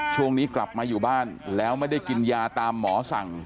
ช่วงนี้กลับมาอยู่บ้านแล้วไม่ได้กินยาตามหมอสั่ง